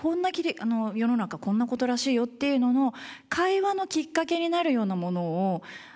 「世の中こんな事らしいよ」っていうのの会話のきっかけになるようなものを。